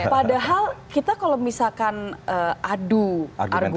padahal kita kalau misalkan adu argumentasi